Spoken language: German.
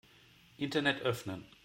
Internet öffnen.